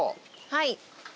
はい。